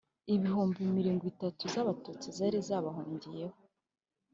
ibihumbi mirigwitatu z'abatutsi zari zabahungiyeho.